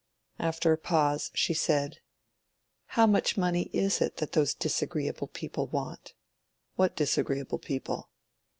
After a pause, she said— "How much money is it that those disagreeable people want?" "What disagreeable people?"